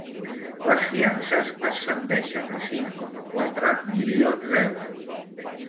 Les fiances ascendeixen a cinc coma quatre milions d’euros.